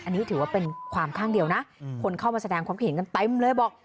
อันนี้ถือว่าเป็นความข้างเดียวนะคนเข้ามาแสดงความคิดเห็นกันเต็มเลยบอก